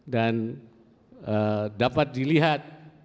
dan dapat dilihat